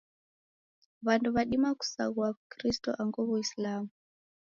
w'andu w'adima kusaghua w'ukristo angu w'uislamu